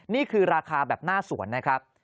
นี่คือราคาแบบหน้าสวนนะครับ